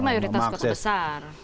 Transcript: tapi mayoritas kota besar